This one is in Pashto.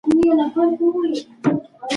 د راډیو روغتیایي پروګرامونه واورئ.